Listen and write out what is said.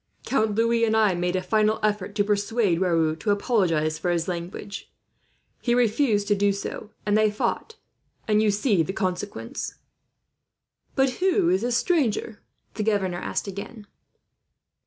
Count Louis and I made a final effort to persuade Raoul to apologize for his language. He refused to do so, and they fought, and you see the consequence." "But who is this stranger?" the governor asked again.